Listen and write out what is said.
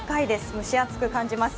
蒸し暑く感じます。